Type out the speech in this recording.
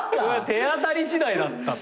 手当たり次第だったってこと？